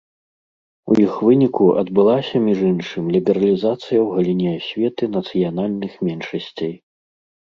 У іх выніку адбылася між іншым лібералізацыя ў галіне асветы нацыянальных меншасцей.